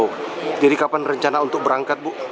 oh jadi kapan rencana untuk berangkat bu